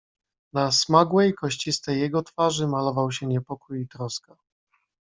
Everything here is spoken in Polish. "Na smagłej, kościstej jego twarzy malował się niepokój i troska."